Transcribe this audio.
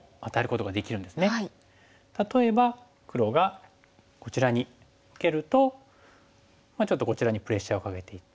例えば黒がこちらに受けるとちょっとこちらにプレッシャーをかけていって。